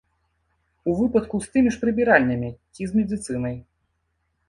У выпадку з тымі ж прыбіральнямі ці з медыцынай.